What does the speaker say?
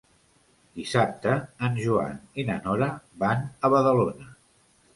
Dissabte en Joan i na Nora van a Badalona.